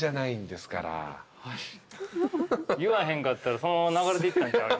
言わへんかったらそのまま流れていったんちゃう？